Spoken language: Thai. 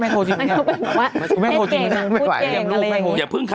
แม่โทรจริงหรือยังแม่โทรจริงหรือยังแม่เก่งอ่ะพูดเก่งอะไรอย่างนี้อย่าพึ่งค่ะ